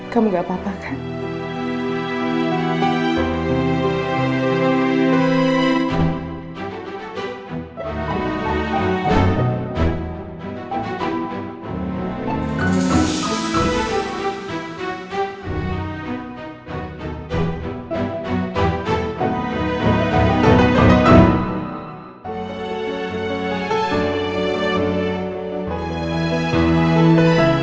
kamu gak papa kan